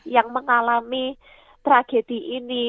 yang mengalami tragedi ini